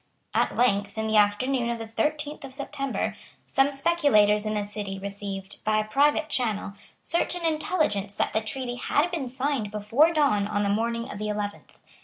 At length, in the afternoon of the thirteenth of September, some speculators in the City received, by a private channel, certain intelligence that the treaty had been signed before dawn on the morning of the eleventh.